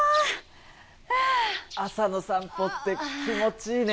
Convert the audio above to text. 朝の散歩って気持ちいいね。